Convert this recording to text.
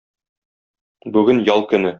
Бүген ял көне.